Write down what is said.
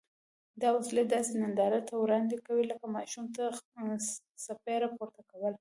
دا وسلې داسې نندارې ته وړاندې کوي لکه ماشوم ته څپېړه پورته کول.